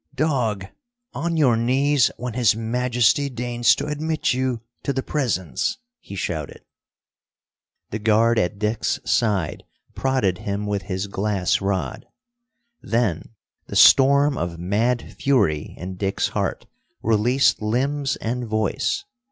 "Dog, on your knees when His Majesty deigns to admit you to the Presence!" he shouted. The guard at Dick's side prodded him with his glass rod. Then the storm of mad fury in Dick's heart released limbs and voice.